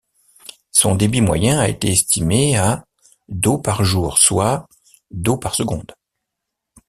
Son débit moyen a été estimé à d'eau par jour, soit d'eau par seconde.